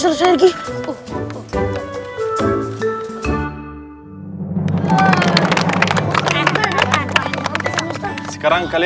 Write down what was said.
eh teman teman tadi aku pengen kegiatan tapi sekarang aku kaget